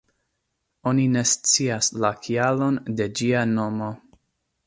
Oni ne scias la kialon de ĝia nomo.